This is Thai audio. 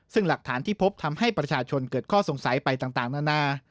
ซึ่งหลักฐานที่พบทำให้ประชาชนเกิดข้อสงสัยไปต่างนานา